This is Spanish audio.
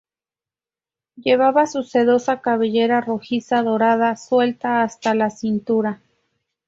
Llevaba su sedosa cabellera rojiza-dorada suelta hasta la cintura.